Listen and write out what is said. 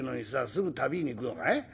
すぐ旅に行くのかい？